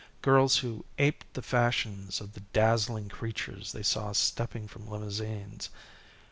Girls who aped the fashions of the dazzling creatures they saw stepping from limousines.